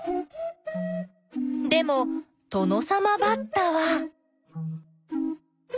でもトノサマバッタは。